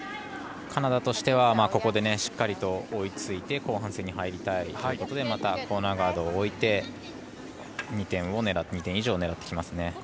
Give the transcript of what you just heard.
カナダとしては、ここでしっかりと追いついて後半戦に入りたいということでまたコーナーガードを置いて２点以上を狙ってきますね。